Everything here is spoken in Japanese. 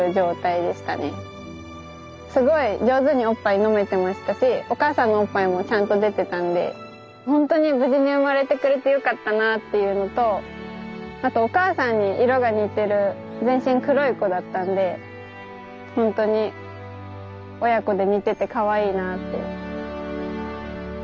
すごい上手におっぱい飲めてましたしお母さんのおっぱいもちゃんと出てたんでほんとに無事に生まれてくれてよかったなぁっていうのとあとお母さんに色が似てる全身黒い子だったんでほんとに親子で似ててかわいいなって。